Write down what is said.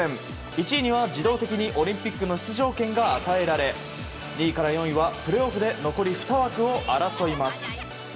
１位には、自動的にオリンピックの出場権が与えられ２位から４位はプレーオフで残り２枠を争います。